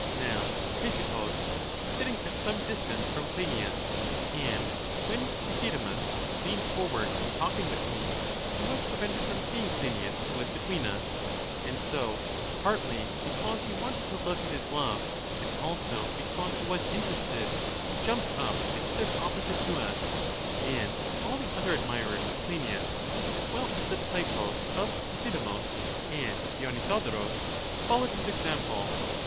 Now Ctesippus was sitting at some distance from Cleinias; and when Euthydemus leaned forward in talking with me, he was prevented from seeing Clei nias, who was between us; and so, partly because he wanted to look at his love, and also because he was interested, he jumped up and stood opposite to us: and all the other admirers of Cleinias, as well as the disciples of Euthydemus and Dionysodorus, followed his example.